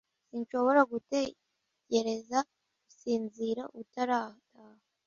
Sinshobora gutegereza gusinzira utarataha